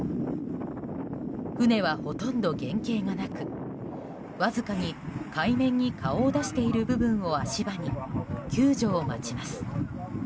船は、ほとんど原形がなくわずかに海面に顔を出している部分を足場に救助を待ちます。